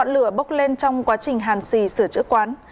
lửa bốc lên trong quá trình hàn xì sửa chữa quán